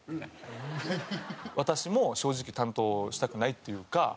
「私も正直担当したくないっていうか